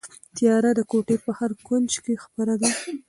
تیاره د کوټې په هر کونج کې خپره ده.